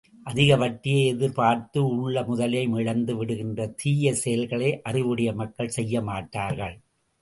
அதிக வட்டியை எதிர்பார்த்து, உள்ள முதலையும் இழந்து விடுகின்ற தீயசெயல்களை அறிவுடைய மக்கள் செய்ய மாட்டார்கள்.